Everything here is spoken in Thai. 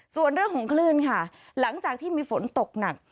ส่วนเรื่องของคลื่นค่ะหลังจากที่มีฝนตกหนัก